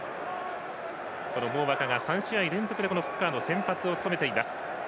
モーバカが３試合連続でフッカーの先発を務めています。